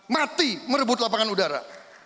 mati merebut lapangan udara